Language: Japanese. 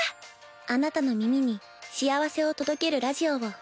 あなたの耳に幸せを届けるラジオを。